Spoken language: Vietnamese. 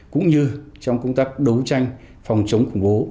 cũng như trong công tác đấu tranh phòng chống khủng bố